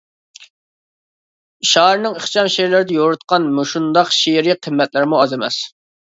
شائىرنىڭ ئىخچام شېئىرلىرىدا يورۇتۇلغان مۇشۇنداق شېئىرىي قىممەتلەرمۇ ئاز ئەمەس.